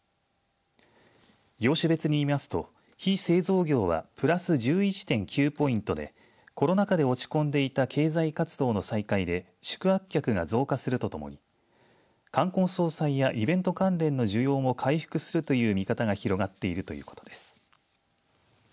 業種別に見ますと非製造業はプラス１１．９ポイントでコロナ禍で落ち込んでいた経済活動の再開で宿泊客が増加するとともに冠婚葬祭やイベント関連の需要も回復するという見方が広がっているということです。